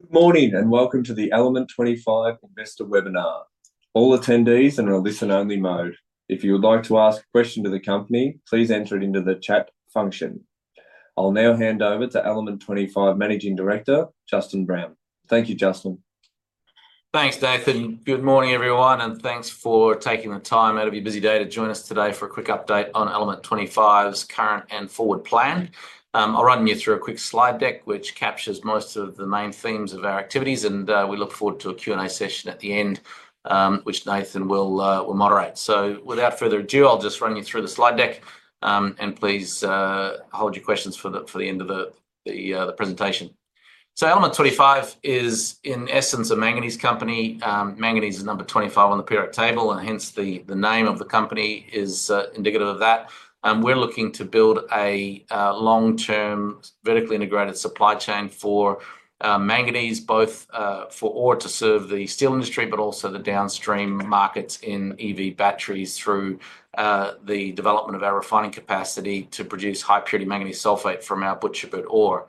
Good morning and welcome to the Element 25 Investor Webinar. All attendees are in a listen-only mode. If you would like to ask a question to the company, please enter it into the chat function. I'll now hand over to Element 25 Managing Director, Justin Brown. Thank you, Justin. Thanks, Nathan. Good morning, everyone, and thanks for taking the time out of your busy day to join us today for a quick update on Element 25's current and forward plan. I'll run you through a quick slide deck, which captures most of the main themes of our activities, and we look forward to a Q&A session at the end, which Nathan will moderate. Without further ado, I'll just run you through the slide deck, and please hold your questions for the end of the presentation. Element 25 is, in essence, a manganese company. Manganese is number 25 on the periodic table, and hence the name of the company is indicative of that. We're looking to build a long-term vertically integrated supply chain for manganese, both for ore to serve the steel industry, but also the downstream markets in EV batteries through the development of our refining capacity to produce high-purity manganese sulfate from our Butcherbird ore.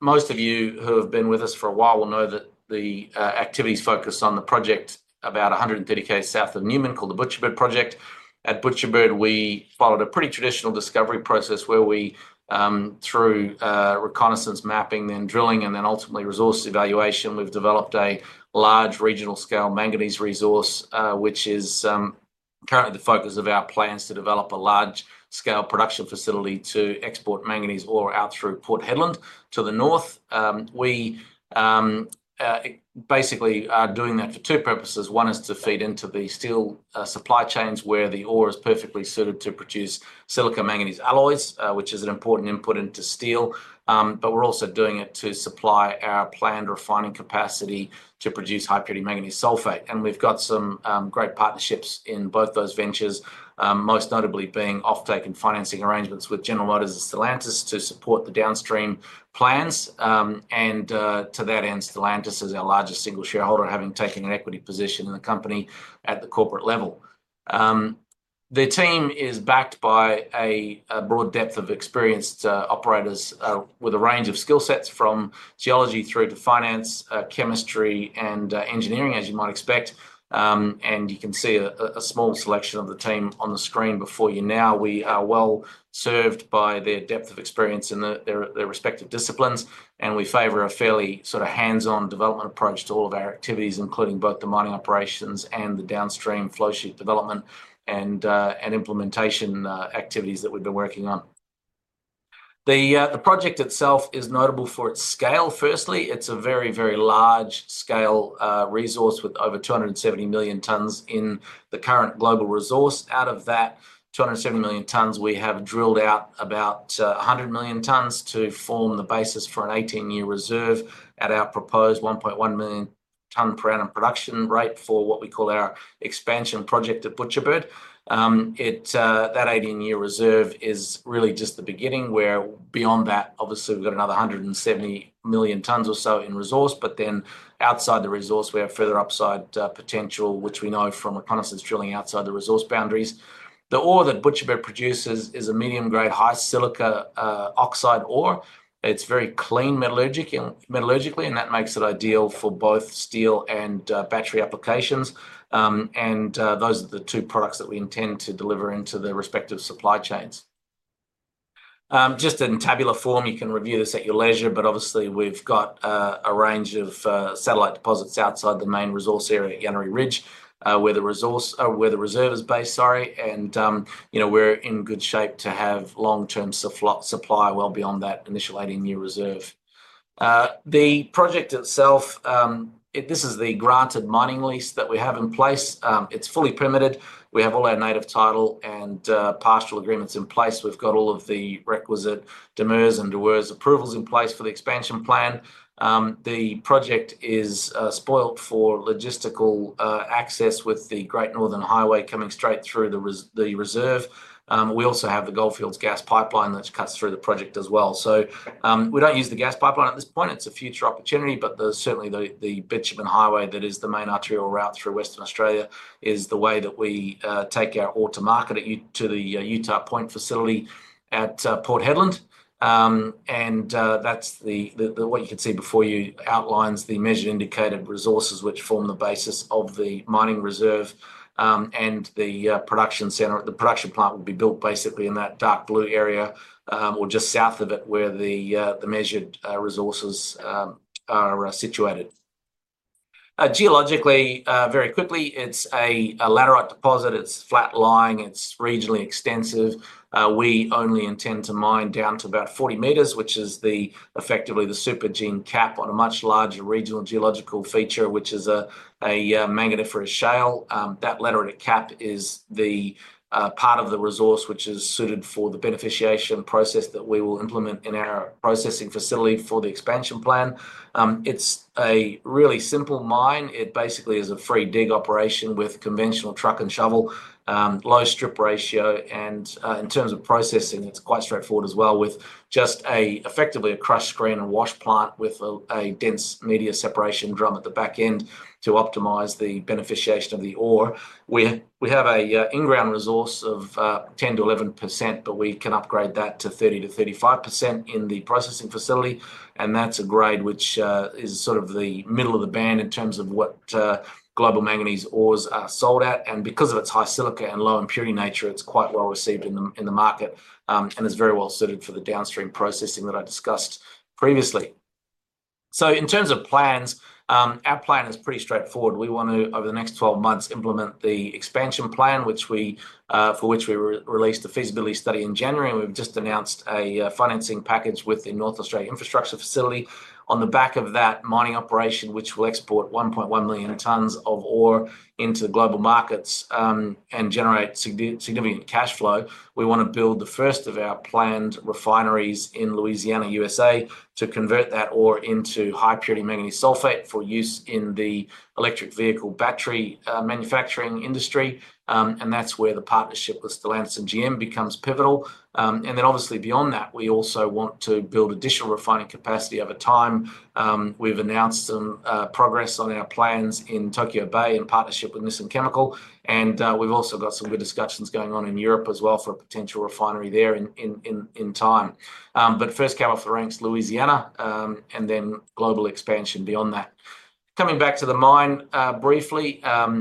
Most of you who have been with us for a while will know that the activities focus on the project about 130 km south of Newman called the Butcherbird Project. At Butcherbird, we followed a pretty traditional discovery process where we, through reconnaissance mapping, then drilling, and then ultimately resource evaluation, we've developed a large regional-scale manganese resource, which is currently the focus of our plans to develop a large-scale production facility to export manganese ore out through Port Hedland to the north. We basically are doing that for two purposes. One is to feed into the steel supply chains where the ore is perfectly suited to produce silico-manganese alloys, which is an important input into steel, but we're also doing it to supply our planned refining capacity to produce high-purity manganese sulfate. And we've got some great partnerships in both those ventures, most notably being offtake and financing arrangements with General Motors and Stellantis to support the downstream plans. To that end, Stellantis is our largest single shareholder, having taken an equity position in the company at the corporate level. The team is backed by a broad depth of experienced operators with a range of skill sets from geology through to finance, chemistry, and engineering, as you might expect. You can see a small selection of the team on the screen before you now. We are well served by their depth of experience in their respective disciplines, and we favor a fairly sort of hands-on development approach to all of our activities, including both the mining operations and the downstream flowsheet development and implementation activities that we've been working on. The project itself is notable for its scale. Firstly, it's a very, very large-scale resource with over 270 million tons in the current global resource. Out of that 270 million tons, we have drilled out about 100 million tons to form the basis for an 18-year reserve at our proposed 1.1 million-ton per annum production rate for what we call our expansion project at Butcherbird. That 18-year reserve is really just the beginning, where beyond that, obviously, we've got another 170 million tons or so in resource. Outside the resource, we have further upside potential, which we know from reconnaissance drilling outside the resource boundaries. The ore that Butcherbird produces is a medium-grade high-silica oxide ore. It is very clean metallurgically, and that makes it ideal for both steel and battery applications. Those are the two products that we intend to deliver into the respective supply chains. Just in tabular form, you can review this at your leisure, but obviously, we have a range of satellite deposits outside the main resource area at Yanneri Ridge, where the reserve is based. We are in good shape to have long-term supply well beyond that initial 18-year reserve. The project itself, this is the granted mining lease that we have in place. It is fully permitted. We have all our native title and pastoral agreements in place. We've got all of the requisite DEMIRS' and DWER's approvals in place for the expansion plan. The project is spoilt for logistical access with the Great Northern Highway coming straight through the reserve. We also have the Goldfields Gas Pipeline that cuts through the project as well. We don't use the gas pipeline at this point. It's a future opportunity, but certainly the [bitumen] highway that is the main arterial route through Western Australia is the way that we take our ore to market to the Utah Point facility at Port Hedland. That's what you can see before you outlines the measured indicated resources, which form the basis of the mining reserve and the production center. The production plant will be built basically in that dark blue area or just south of it where the measured resources are situated. Geologically, very quickly, it's a laterite deposit. It's flat-lying. It's regionally extensive. We only intend to mine down to about 40 m, which is effectively the supergene cap on a much larger regional geological feature, which is a manganophorus shale. That laterite cap is the part of the resource which is suited for the beneficiation process that we will implement in our processing facility for the expansion plan. It's a really simple mine. It basically is a free dig operation with conventional truck and shovel, low strip ratio. In terms of processing, it's quite straightforward as well with just effectively a crush, screen, and wash plant with a dense media separation drum at the back end to optimize the beneficiation of the ore. We have an in-ground resource of 10%-11%, but we can upgrade that to 30%-35% in the processing facility. That's a grade which is sort of the middle of the band in terms of what global manganese ores are sold at. Because of its high silica and low impurity nature, it's quite well received in the market and is very well suited for the downstream processing that I discussed previously. In terms of plans, our plan is pretty straightforward. We want to, over the next 12 months, implement the expansion plan for which we released the feasibility study in January. We've just announced a financing package with the Northern Australia Infrastructure Facility. On the back of that mining operation, which will export 1.1 million tons of ore into the global markets and generate significant cash flow, we want to build the first of our planned refineries in Louisiana, U.S.A., to convert that ore into high-purity manganese sulfate for use in the electric vehicle battery manufacturing industry. That is where the partnership with Stellantis and GM becomes pivotal. Obviously, beyond that, we also want to build additional refining capacity over time. We have announced some progress on our plans in Tokyo Bay in partnership with Nissan Chemical. We have also got some good discussions going on in Europe as well for a potential refinery there in time. First came off the ranks Louisiana and then global expansion beyond that. Coming back to the mine briefly, for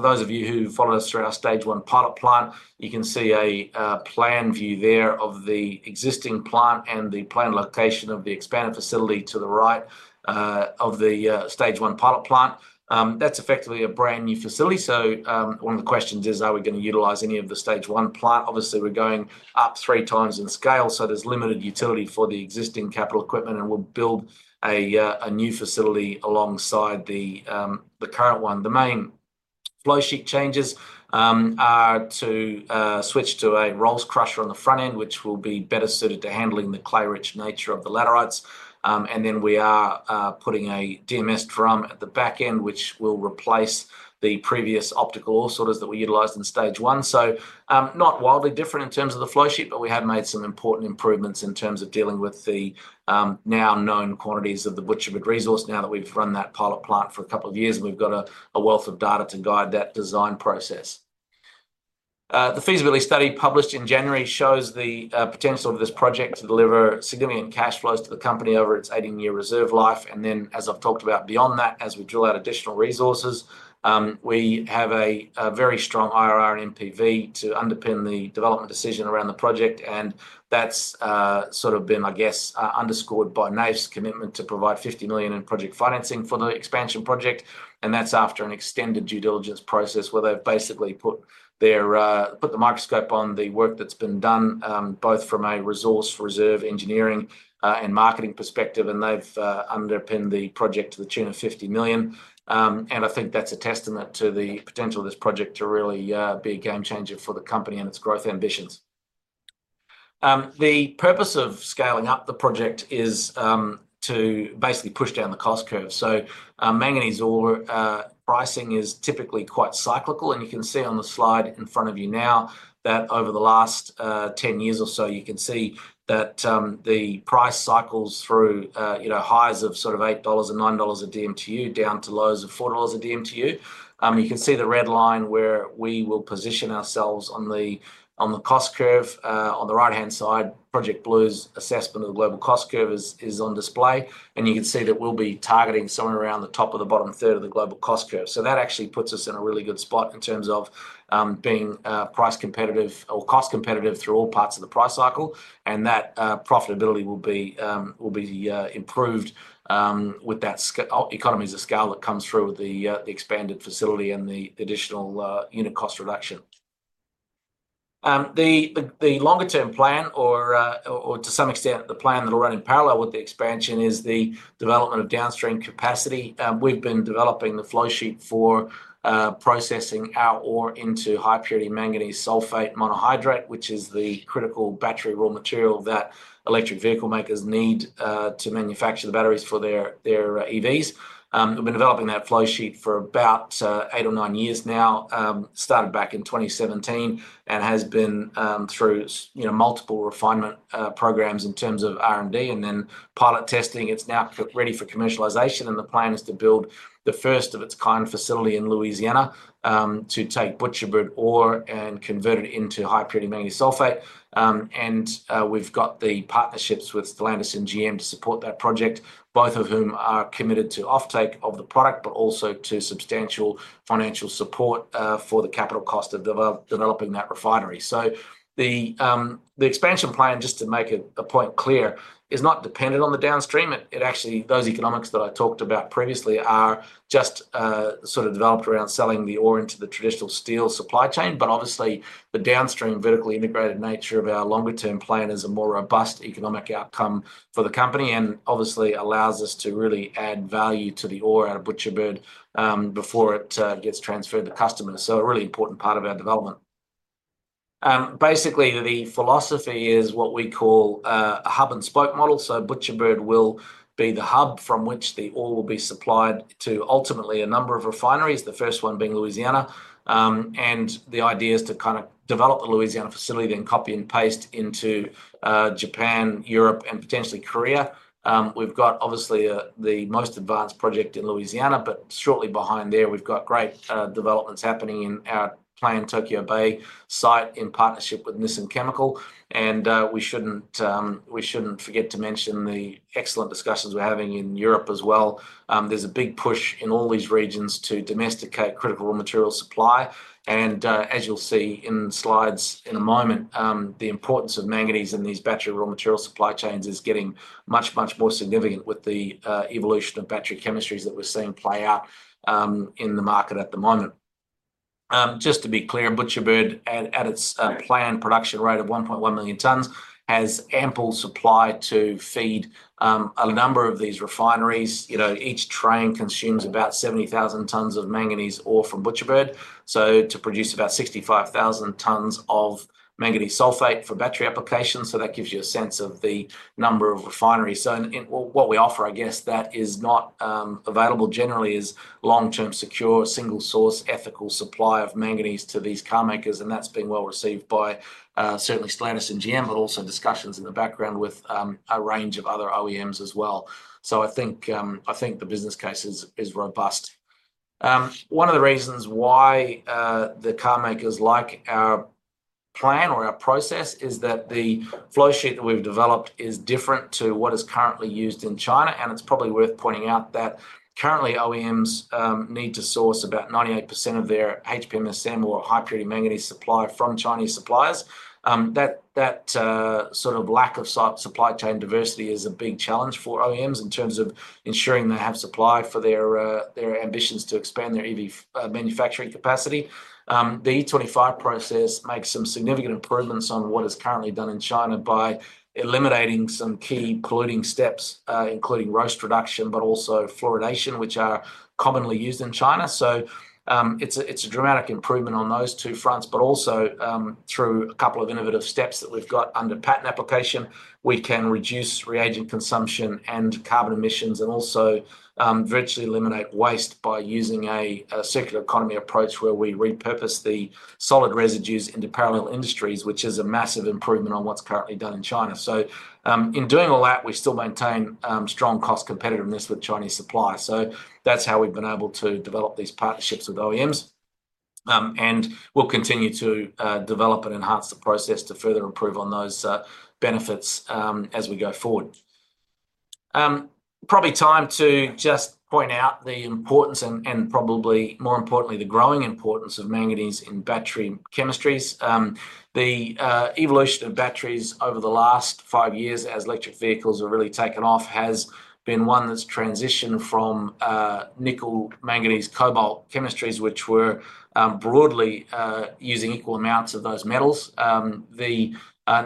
those of you who followed us through our stage one pilot plant, you can see a plan view there of the existing plant and the planned location of the expanded facility to the right of the stage one pilot plant. That's effectively a brand new facility. One of the questions is, are we going to utilize any of the stage one plant? Obviously, we're going up three times in scale. There's limited utility for the existing capital equipment, and we'll build a new facility alongside the current one. The main flowsheet changes are to switch to a rolls crusher on the front end, which will be better suited to handling the clay-rich nature of the laterites. We are putting a DMS drum at the back end, which will replace the previous optical ore sorters that we utilized in stage one. Not wildly different in terms of the flowsheet, but we have made some important improvements in terms of dealing with the now known quantities of the Butcherbird resource now that we have run that pilot plant for a couple of years, and we have a wealth of data to guide that design process. The feasibility study published in January shows the potential of this project to deliver significant cash flows to the company over its 18-year reserve life. As I have talked about, beyond that, as we drill out additional resources, we have a very strong IRR and NPV to underpin the development decision around the project. That sort of has been, I guess, underscored by NAIF's commitment to provide 50 million in project financing for the expansion project. That is after an extended due diligence process where they have basically put the microscope on the work that has been done, both from a resource reserve engineering and marketing perspective, and they have underpinned the project to the tune of 50 million. I think that is a testament to the potential of this project to really be a game changer for the company and its growth ambitions. The purpose of scaling up the project is to basically push down the cost curve. Manganese ore pricing is typically quite cyclical. You can see on the slide in front of you now that over the last 10 years or so, you can see that the price cycles through highs of sort of $8 and $9 a dmtu down to lows of $4 a dmtu. You can see the red line where we will position ourselves on the cost curve. On the right-hand side, Project Blue's assessment of the global cost curve is on display. You can see that we'll be targeting somewhere around the top of the bottom third of the global cost curve. That actually puts us in a really good spot in terms of being price competitive or cost competitive through all parts of the price cycle. That profitability will be improved with that economies of scale that comes through with the expanded facility and the additional unit cost reduction. The longer-term plan, or to some extent, the plan that will run in parallel with the expansion, is the development of downstream capacity. We've been developing the flowsheet for processing our ore into high-purity manganese sulfate monohydrate, which is the critical battery raw material that electric vehicle makers need to manufacture the batteries for their EVs. We've been developing that flowsheet for about eight or nine years now, started back in 2017, and has been through multiple refinement programs in terms of R&D and then pilot testing. It's now ready for commercialization. The plan is to build the first of its kind facility in Louisiana to take Butcherbird ore and convert it into high-purity manganese sulfate. We have the partnerships with Stellantis and GM to support that project, both of whom are committed to offtake of the product, but also to substantial financial support for the capital cost of developing that refinery. The expansion plan, just to make a point clear, is not dependent on the downstream. Those economics that I talked about previously are just sort of developed around selling the ore into the traditional steel supply chain. Obviously, the downstream vertically integrated nature of our longer-term plan is a more robust economic outcome for the company and obviously allows us to really add value to the ore out of Butcherbird before it gets transferred to customers. A really important part of our development. Basically, the philosophy is what we call a hub-and-spoke model. Butcherbird will be the hub from which the ore will be supplied to ultimately a number of refineries, the first one being Louisiana. The idea is to kind of develop the Louisiana facility, then copy and paste into Japan, Europe, and potentially Korea. We've got obviously the most advanced project in Louisiana, but shortly behind there, we've got great developments happening in our planned Tokyo Bay site in partnership with Nissan Chemical. We shouldn't forget to mention the excellent discussions we're having in Europe as well. There's a big push in all these regions to domesticate critical raw material supply. As you'll see in slides in a moment, the importance of manganese in these battery raw material supply chains is getting much, much more significant with the evolution of battery chemistries that we're seeing play out in the market at the moment. Just to be clear, Butcherbird, at its planned production rate of 1.1 million tons, has ample supply to feed a number of these refineries. Each train consumes about 70,000 tons of manganese ore from Butcherbird, to produce about 65,000 tons of manganese sulfate for battery applications. That gives you a sense of the number of refineries. What we offer, I guess, that is not available generally, is long-term secure, single-source ethical supply of manganese to these carmakers. That has been well received by certainly Stellantis and GM, but also discussions in the background with a range of other OEMs as well. I think the business case is robust. One of the reasons why the carmakers like our plan or our process is that the flowsheet that we have developed is different to what is currently used in China. It is probably worth pointing out that currently OEMs need to source about 98% of their HPMSM or high-purity manganese supply from Chinese suppliers. That sort of lack of supply chain diversity is a big challenge for OEMs in terms of ensuring they have supply for their ambitions to expand their EV manufacturing capacity. The E25 process makes some significant improvements on what is currently done in China by eliminating some key polluting steps, including roast reduction, but also fluoridation, which are commonly used in China. It is a dramatic improvement on those two fronts. Also, through a couple of innovative steps that we have under patent application, we can reduce reagent consumption and carbon emissions and also virtually eliminate waste by using a circular economy approach where we repurpose the solid residues into parallel industries, which is a massive improvement on what is currently done in China. In doing all that, we still maintain strong cost competitiveness with Chinese supply. That is how we have been able to develop these partnerships with OEMs. We will continue to develop and enhance the process to further improve on those benefits as we go forward. It is probably time to just point out the importance and, probably more importantly, the growing importance of manganese in battery chemistries. The evolution of batteries over the last five years as electric vehicles have really taken off has been one that has transitioned from nickel manganese cobalt chemistries, which were broadly using equal amounts of those metals. The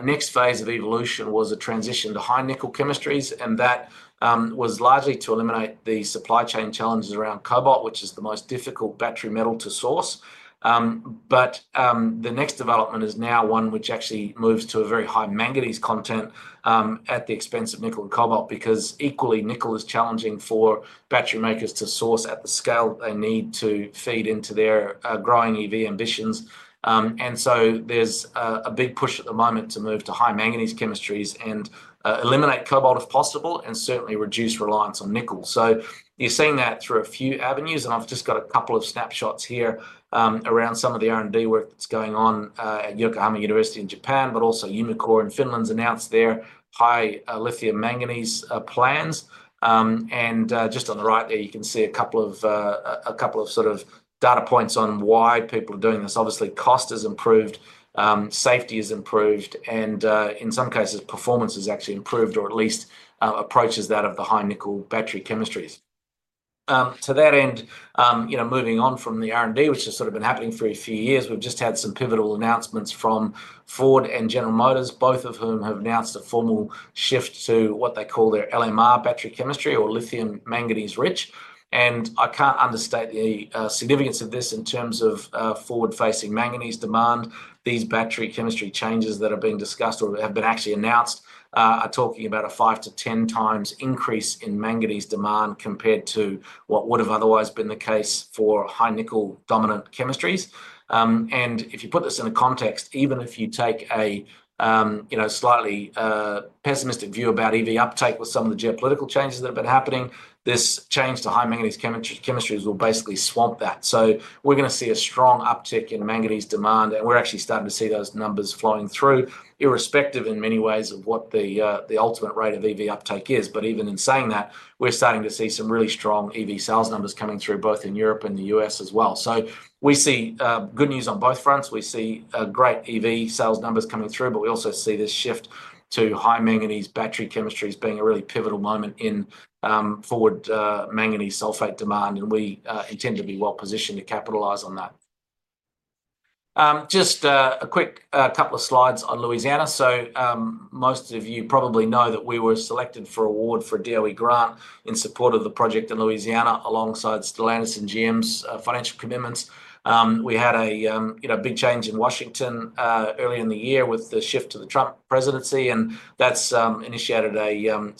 next phase of evolution was a transition to high nickel chemistries. That was largely to eliminate the supply chain challenges around cobalt, which is the most difficult battery metal to source. The next development is now one which actually moves to a very high manganese content at the expense of nickel and cobalt because equally, nickel is challenging for battery makers to source at the scale they need to feed into their growing EV ambitions. There is a big push at the moment to move to high manganese chemistries and eliminate cobalt if possible and certainly reduce reliance on nickel. You are seeing that through a few avenues. I have just got a couple of snapshots here around some of the R&D work that is going on at Yokohama University in Japan, but also Umicore in Finland has announced their high lithium manganese plans. Just on the right there, you can see a couple of sort of data points on why people are doing this. Obviously, cost has improved, safety has improved, and in some cases, performance has actually improved or at least approaches that of the high nickel battery chemistries. To that end, moving on from the R&D, which has sort of been happening for a few years, we've just had some pivotal announcements from Ford and General Motors, both of whom have announced a formal shift to what they call their LMR battery chemistry or lithium manganese-rich. I can't understate the significance of this in terms of forward-facing manganese demand. These battery chemistry changes that have been discussed or have been actually announced are talking about a 5x-10x increase in manganese demand compared to what would have otherwise been the case for high nickel dominant chemistries. If you put this in a context, even if you take a slightly pessimistic view about EV uptake with some of the geopolitical changes that have been happening, this change to high manganese chemistries will basically swamp that. We are going to see a strong uptick in manganese demand. We are actually starting to see those numbers flowing through, irrespective in many ways of what the ultimate rate of EV uptake is. Even in saying that, we are starting to see some really strong EV sales numbers coming through both in Europe and the U.S. as well. We see good news on both fronts. We see great EV sales numbers coming through, but we also see this shift to high manganese battery chemistries being a really pivotal moment in forward manganese sulfate demand. We intend to be well positioned to capitalize on that. Just a quick couple of slides on Louisiana. Most of you probably know that we were selected for award for a DoE grant in support of the project in Louisiana alongside Stellantis and GM's financial commitments. We had a big change in Washington earlier in the year with the shift to the Trump presidency. That has initiated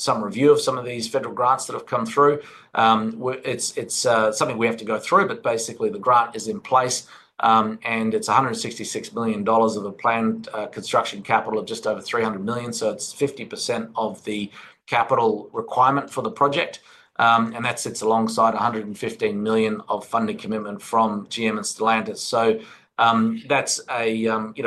some review of some of these federal grants that have come through. It's something we have to go through, but basically, the grant is in place. It's $166 million of a planned construction capital of just over $300 million. It's 50% of the capital requirement for the project. That sits alongside $115 million of funding commitment from GM and Stellantis.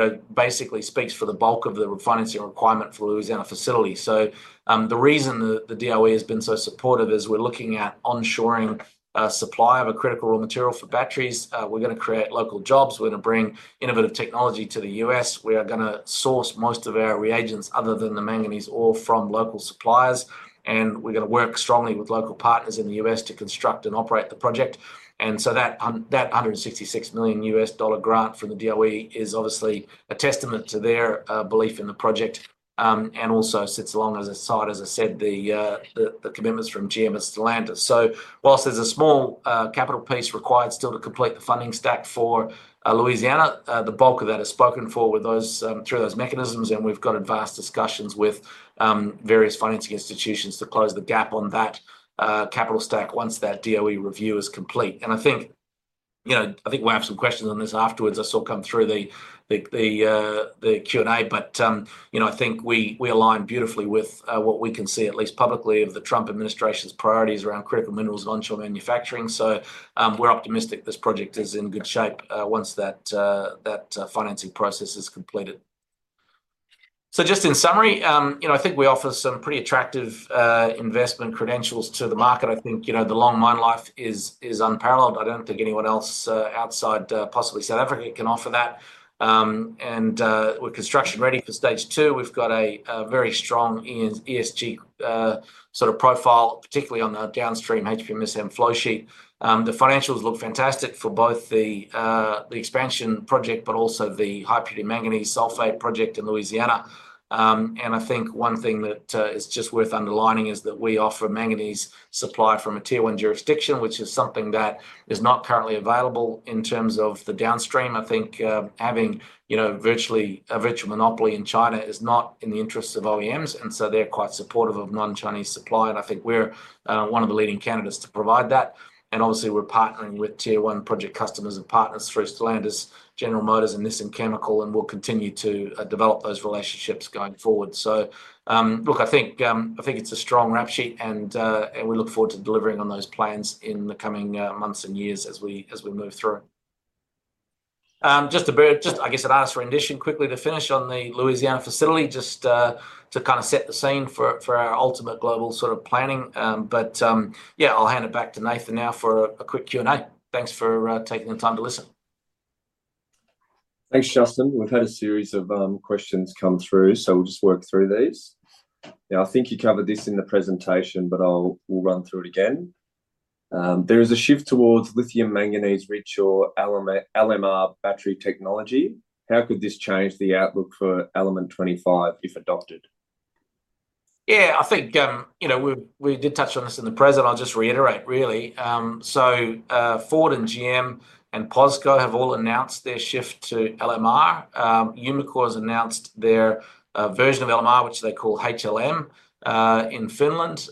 That basically speaks for the bulk of the financing requirement for the Louisiana facility. The reason the DoE has been so supportive is we're looking at onshoring supply of a critical raw material for batteries. We're going to create local jobs. We're going to bring innovative technology to the U.S. We are going to source most of our reagents other than the manganese ore from local suppliers. We're going to work strongly with local partners in the U.S. to construct and operate the project. That $166 million grant from the DoE is obviously a testament to their belief in the project and also sits alongside, as I said, the commitments from GM and Stellantis. Whilst there's a small capital piece required still to complete the funding stack for Louisiana, the bulk of that is spoken for through those mechanisms. We have advanced discussions with various financing institutions to close the gap on that capital stack once that DoE review is complete. I think we will have some questions on this afterwards. I saw come through the Q&A. I think we align beautifully with what we can see, at least publicly, of the Trump administration's priorities around critical minerals onshore manufacturing. We are optimistic this project is in good shape once that financing process is completed. Just in summary, I think we offer some pretty attractive investment credentials to the market. I think the long mine life is unparalleled. I do not think anyone else outside possibly South Africa can offer that. We are construction ready for stage two. We have a very strong ESG sort of profile, particularly on the downstream HPMSM flowsheet. The financials look fantastic for both the expansion project, but also the high-purity manganese sulfate project in Louisiana. I think one thing that is just worth underlining is that we offer manganese supply from a tier one jurisdiction, which is something that is not currently available in terms of the downstream. I think having a virtual monopoly in China is not in the interests of OEMs. They are quite supportive of non-Chinese supply. I think we are one of the leading candidates to provide that. Obviously, we are partnering with tier one project customers and partners through Stellantis, General Motors, and Nissan Chemical. We will continue to develop those relationships going forward. I think it is a strong rap sheet. We look forward to delivering on those plans in the coming months and years as we move through. Just, I guess, an answer in addition quickly to finish on the Louisiana facility, just to kind of set the scene for our ultimate global sort of planning. Yeah, I'll hand it back to Nathan now for a quick Q&A. Thanks for taking the time to listen. Thanks, Justin. We've had a series of questions come through. We'll just work through these. Yeah, I think you covered this in the presentation, but we'll run through it again. There is a shift towards lithium manganese-rich or LMR battery technology. How could this change the outlook for Element 25 if adopted? Yeah, I think we did touch on this in the present. I'll just reiterate, really. Ford and GM and POSCO have all announced their shift to LMR. Umicore has announced their version of LMR, which they call HLM in Finland.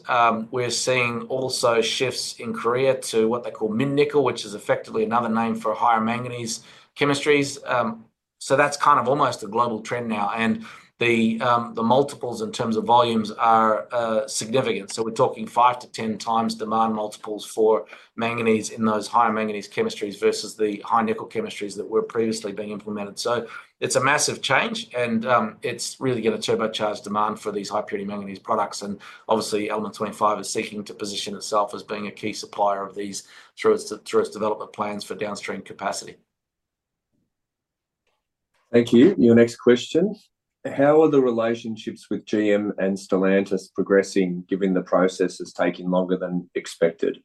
We're seeing also shifts in Korea to what they call min-nickel, which is effectively another name for higher manganese chemistries. That is kind of almost a global trend now. The multiples in terms of volumes are significant. We're talking 5x-10x demand multiples for manganese in those high manganese chemistries versus the high nickel chemistries that were previously being implemented. It is a massive change. It is really going to turbocharge demand for these high-purity manganese products. Obviously, Element 25 is seeking to position itself as being a key supplier of these through its development plans for downstream capacity. Thank you. Your next question. How are the relationships with GM and Stellantis progressing given the process has taken longer than expected?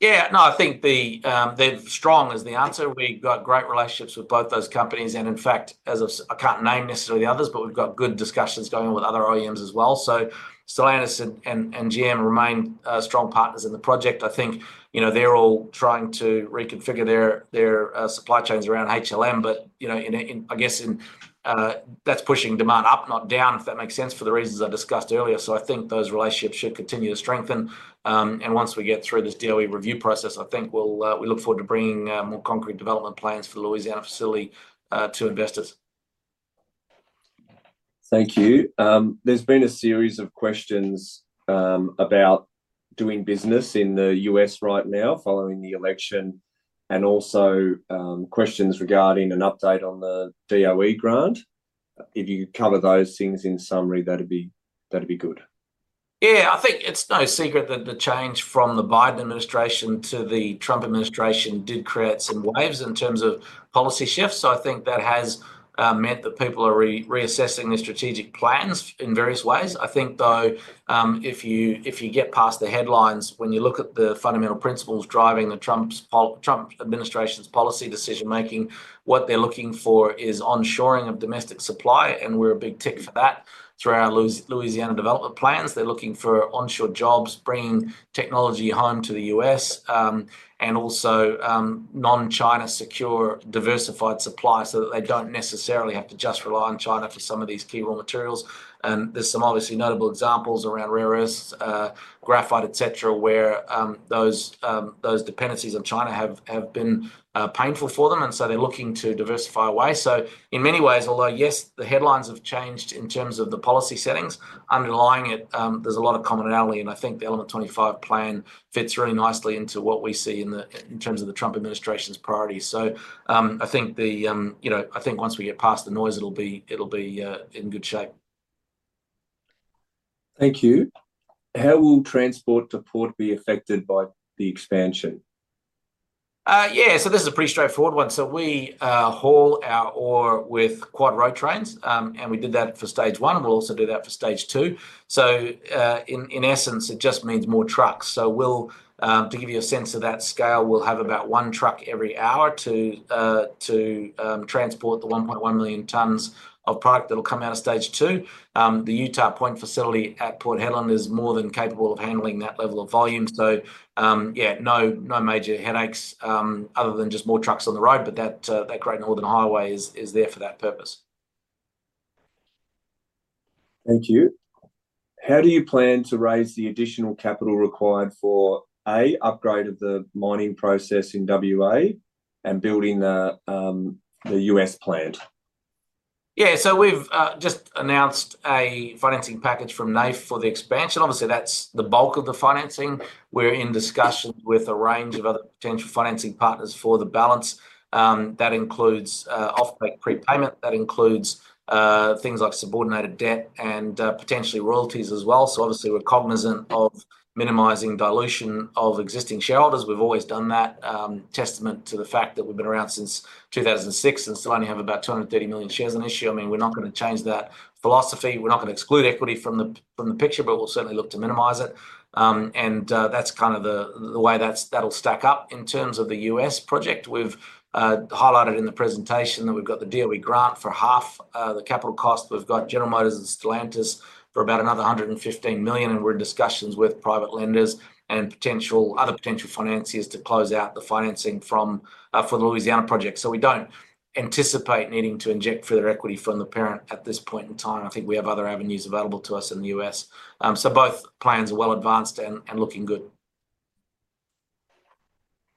Yeah, no, I think they're strong is the answer. We've got great relationships with both those companies. In fact, I can't name necessarily the others, but we've got good discussions going on with other OEMs as well. Stellantis and GM remain strong partners in the project. I think they're all trying to reconfigure their supply chains around HLM. I guess that's pushing demand up, not down, if that makes sense, for the reasons I discussed earlier. I think those relationships should continue to strengthen. Once we get through this DoE review process, I think we look forward to bringing more concrete development plans for the Louisiana facility to investors. Thank you. There's been a series of questions about doing business in the U.S. right now following the election and also questions regarding an update on the DoE grant. If you could cover those things in summary, that'd be good. Yeah, I think it's no secret that the change from the Biden administration to the Trump administration did create some waves in terms of policy shifts. I think that has meant that people are reassessing their strategic plans in various ways. I think, though, if you get past the headlines, when you look at the fundamental principles driving the Trump administration's policy decision-making, what they're looking for is onshoring of domestic supply. We're a big tick for that through our Louisiana development plans. They're looking for onshore jobs, bringing technology home to the U.S., and also non-China secure diversified supply so that they don't necessarily have to just rely on China for some of these key raw materials. There are some obviously notable examples around rare earths, graphite, et cetera, where those dependencies on China have been painful for them. They're looking to diversify away. In many ways, although, yes, the headlines have changed in terms of the policy settings, underlying it, there's a lot of commonality. I think the Element 25 plan fits really nicely into what we see in terms of the Trump administration's priorities. I think once we get past the noise, it'll be in good shape. Thank you. How will transport to port be affected by the expansion? Yeah, this is a pretty straightforward one. We haul our ore with quad road trains. We did that for stage one. We'll also do that for stage two. In essence, it just means more trucks. To give you a sense of that scale, we'll have about one truck every hour to transport the 1.1 million tons of product that'll come out of stage two. The Utah Point facility at Port Hedland is more than capable of handling that level of volume. Yeah, no major headaches other than just more trucks on the road. That Great Northern Highway is there for that purpose. Thank you. How do you plan to raise the additional capital required for, A, upgrade of the mining process in WA and building the U.S. plant? Yeah, we've just announced a financing package from NAIF for the expansion. Obviously, that's the bulk of the financing. We're in discussions with a range of other potential financing partners for the balance. That includes offtake prepayment. That includes things like subordinated debt and potentially royalties as well. Obviously, we're cognizant of minimizing dilution of existing shareholders. We've always done that, testament to the fact that we've been around since 2006 and still only have about 230 million shares in issue. I mean, we're not going to change that philosophy. We're not going to exclude equity from the picture, but we'll certainly look to minimize it. And that's kind of the way that'll stack up. In terms of the U.S. project, we've highlighted in the presentation that we've got the DoE grant for half the capital cost. We've got General Motors and Stellantis for about another $115 million. And we're in discussions with private lenders and other potential financiers to close out the financing for the Louisiana project. So we don't anticipate needing to inject further equity from the parent at this point in time. I think we have other avenues available to us in the U.S. So both plans are well advanced and looking good.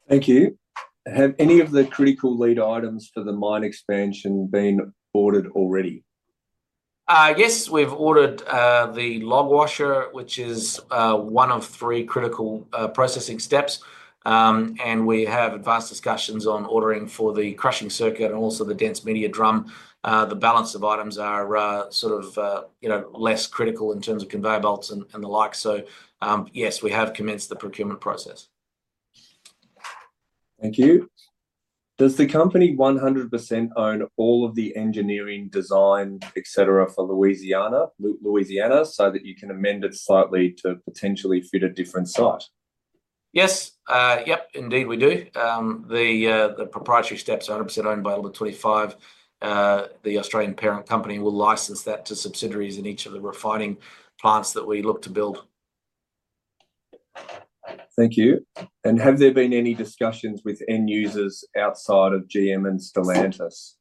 Thank you. Have any of the critical lead items for the mine expansion been ordered already? Yes, we've ordered the log washer, which is one of three critical processing steps. We have advanced discussions on ordering for the crushing circuit and also the dense media drum. The balance of items are sort of less critical in terms of conveyor belts and the like. Yes, we have commenced the procurement process. Thank you. Does the company 100% own all of the engineering, design, et cetera for Louisiana so that you can amend it slightly to potentially fit a different site? Yes. Yep, indeed, we do. The proprietary steps are 100% owned by Element 25. The Australian parent company will license that to subsidiaries in each of the refining plants that we look to build. Thank you. Have there been any discussions with end users outside of GM and Stellantis?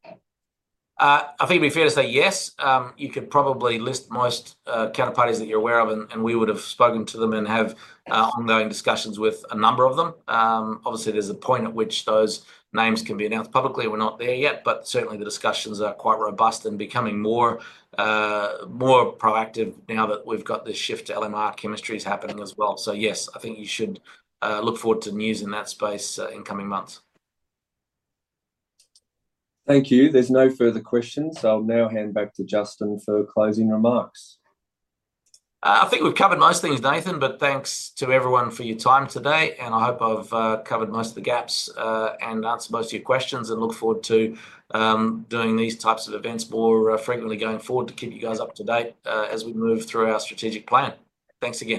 I think it'd be fair to say yes. You could probably list most counterparties that you're aware of. We would have spoken to them and have ongoing discussions with a number of them. Obviously, there's a point at which those names can be announced publicly. We're not there yet. Certainly, the discussions are quite robust and becoming more proactive now that we've got this shift to LMR chemistries happening as well. Yes, I think you should look forward to news in that space in coming months. Thank you. There's no further questions. I'll now hand back to Justin for closing remarks. I think we've covered most things, Nathan. Thanks to everyone for your time today. I hope I've covered most of the gaps and answered most of your questions. I look forward to doing these types of events more frequently going forward to keep you guys up to date as we move through our strategic plan. Thanks again.